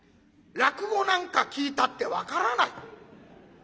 落語なんか聴いたって分からない。